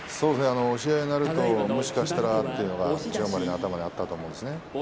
押し合いになるともしかしたらというのは千代丸の頭にあったと思うんですね。